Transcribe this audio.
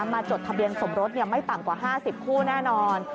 จดทะเบียนสมรสไม่ต่ำกว่า๕๐คู่แน่นอน